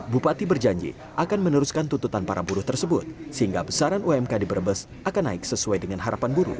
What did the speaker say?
bupati berjanji akan meneruskan tuntutan para buruh tersebut sehingga besaran umk di brebes akan naik sesuai dengan harapan buruh